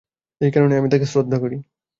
এই কারণেই আমি তাঁকে শ্রদ্ধা করি।